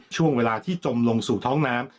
ช่วงเวลาที่จมลงสู่ท้องน้ำ